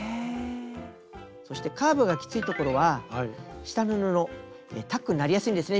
そしてカーブがきついところは下の布タックになりやすいんですね